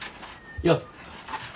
よっ。